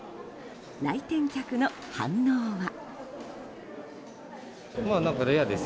来店客の反応は？